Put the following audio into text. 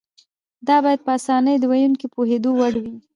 دا باید په اسانۍ د ویونکي د پوهېدو وړ وي.